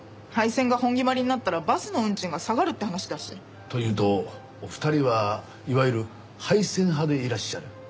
廃線が本決まりになったらバスの運賃が下がるって話だし。というとお二人はいわゆる廃線派でいらっしゃる？